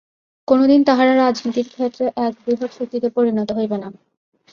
কোনদিন তাহারা রাজনীতির ক্ষেত্রে এক বৃহৎ শক্তিতে পরিণত হইবে না।